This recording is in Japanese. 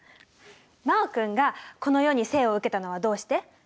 真旺君がこの世に生を受けたのはどうして？